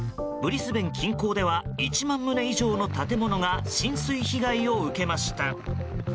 ブリスベン近郊では１万棟以上の建物が浸水被害を受けました。